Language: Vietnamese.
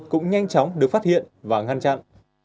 cũng nhanh chóng được phát hiện và ngăn chặn